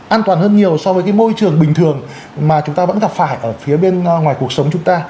an toàn hơn nhiều so với cái môi trường bình thường mà chúng ta vẫn gặp phải ở phía bên ngoài cuộc sống chúng ta